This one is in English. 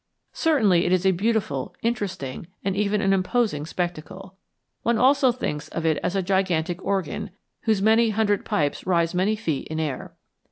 Certainly it is a beautiful, interesting, and even an imposing spectacle. One also thinks of it as a gigantic organ, whose many hundred pipes rise many feet in air.